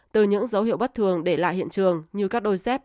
từ những dấu hiệu bất thường để lại hiện trường